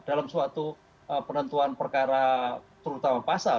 dalam suatu penentuan perkara terutama pasal